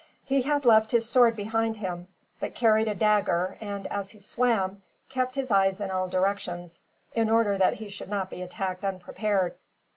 He had left his sword behind him, but carried a dagger and, as he swam, kept his eyes in all directions, in order that he should not be attacked unprepared.